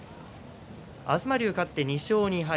東龍、勝って２勝２敗。